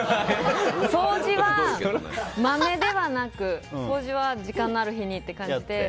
掃除はマメではなく掃除は時間のある日にって感じで。